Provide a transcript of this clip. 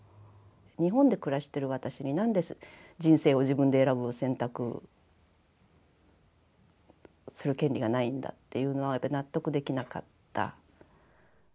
日本で暮らしてる私になんで人生を自分で選ぶ選択する権利がないんだっていうのは納得できなかった。